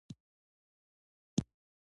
اوږده غرونه د افغانانو د تفریح یوه وسیله ده.